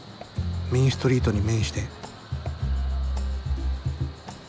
メインストリートに面して。